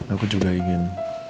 aku juga ingin